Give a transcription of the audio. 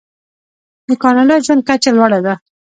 د کاناډا ژوند کچه لوړه ده.